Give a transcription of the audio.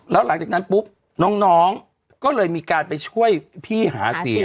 แล้วหลังจากนั้นปุ๊บน้องก็เลยมีการไปช่วยพี่หาเสีย